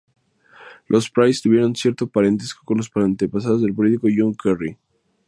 Los Price tuvieron cierto parentesco con los antepasados del político John Kerry.